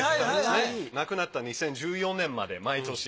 亡くなった２０１４年まで毎年。